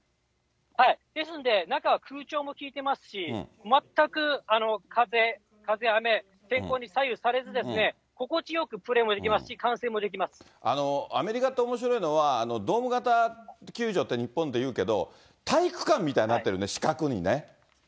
ですので、中は空調も効いてますし、全く風、雨、天候に左右されず、心地よくプレーもできますし、アメリカっておもしろいのは、ドーム型球場って日本でいうけど、体育館みたいになってるよね、四角にね。